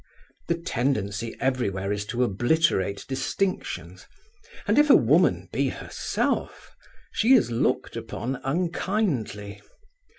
The tendency everywhere is to obliterate distinctions, and if a woman be herself she is looked upon unkindly.